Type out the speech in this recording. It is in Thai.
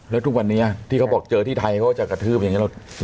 แล้วทุกวันนี้ที่เขาบอกเจอที่ไทยเขาจะกระทืบอย่างนี้